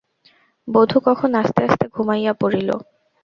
বধূ কখন আস্তে আস্তে ঘুমাইয়া পড়িল।